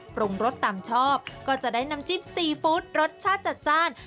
ปรุงรสตามชอบก็จะได้น้ำจิ้มซีฟู้ดรสชาติจัดจ้าน